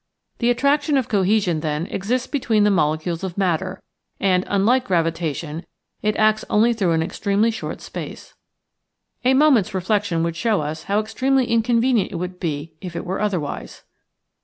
The attraction of cohesion, then, exists between the molecules of matter, and, unlike gravita tion, it acts only through an extremely short space. A moment's reflection would show us how extremely inconvenient it would be if it were otherwise.